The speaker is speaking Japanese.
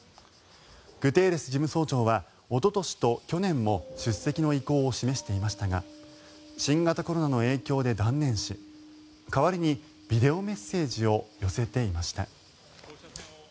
グテーレス事務総長はおととしと去年も出席の意向を示していましたが新型コロナの影響で断念し代わりにビデオメッセージを寄せていました。